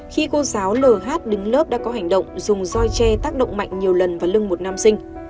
khi cô giáo lh đứng lớp đã có hành động dùng roi che tác động mạnh nhiều lần vào lưng một nam sinh